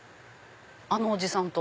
あのおじさんと。